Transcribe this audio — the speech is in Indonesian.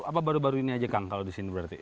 apa baru baru ini aja kang kalau di sini berarti